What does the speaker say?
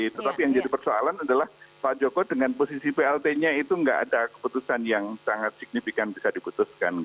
tetapi yang jadi persoalan adalah pak joko dengan posisi plt nya itu nggak ada keputusan yang sangat signifikan bisa diputuskan